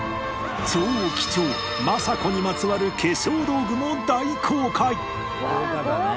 超貴重政子にまつわる化粧道具も大公開！